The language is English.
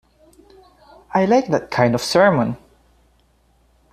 I like that kind of sermon.